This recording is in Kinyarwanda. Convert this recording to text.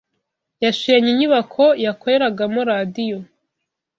yashenye inyubako yakoreragamo radiyo